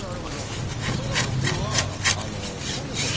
それが僕は。